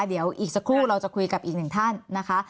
เดี๋ยวอีกสักครู่เราจะคุยกับอีกหนึ่งท่านนะคะ